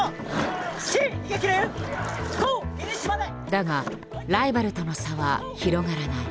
だがライバルとの差は広がらない。